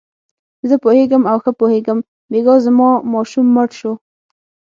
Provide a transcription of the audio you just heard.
زه پوهېږم او ښه پوهېږم، بېګا زما ماشوم مړ شو.